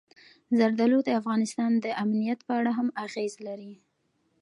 زردالو د افغانستان د امنیت په اړه هم اغېز لري.